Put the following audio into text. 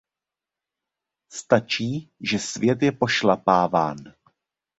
Stačí, že svět je pošlapáván.